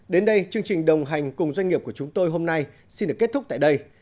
đến đây chương trình đồng hành cùng doanh nghiệp của chúng tôi hôm nay xin được kết thúc tại đây